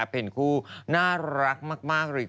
เป็นคู่น่ารักมากเลย